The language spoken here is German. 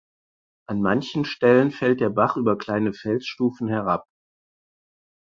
Am manchen Stellen fällt der Bach über kleine Felsstufen herab.